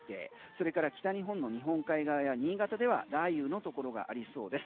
それから北日本の日本海側や新潟では雷雨のところがありそうです。